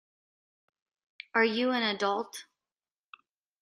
Are you an adult?